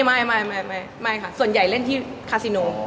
ไม่ค่ะส่วนใหญ่เล่นที่คาซิโน